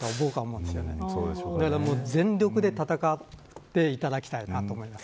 なので全力で戦っていただきたいなと思います。